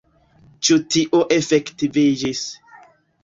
Ĉi tio efektiviĝis.